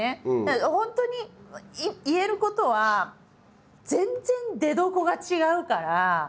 本当に言えることは全然出どこが違うから。